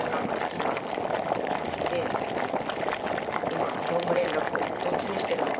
今業務連絡をどっちにしてるのかな？